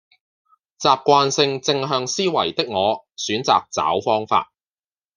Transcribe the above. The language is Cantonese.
習慣性正向思維的我選擇找方法